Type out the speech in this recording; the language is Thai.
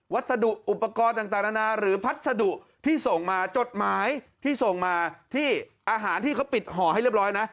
สรุปอุปกรณ์ต่างนานาหรือพัสดุที่ส่งมาจดหมายที่ส่งมาที่อาหารที่เขาปิดห่อให้เรียบร้อยนะ